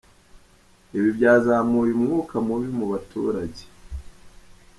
Ibi byazamuye umwuka mubi mu baturage.